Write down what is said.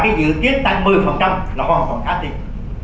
cái dự kiến tăng một mươi là hoàn toàn khá tiền